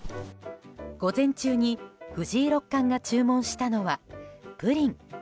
午前中に藤井六冠が注文したのはプリン。